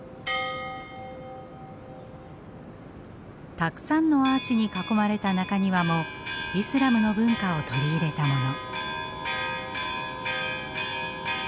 たくさんのアーチに囲まれた中庭もイスラムの文化を取り入れたもの。